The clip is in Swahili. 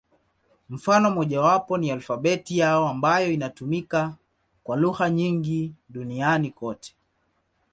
Mfano mmojawapo ni alfabeti yao, ambayo inatumika kwa lugha nyingi duniani kote.